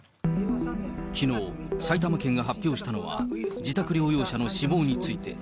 きのう、埼玉県が発表したのは、自宅療養者の死亡について。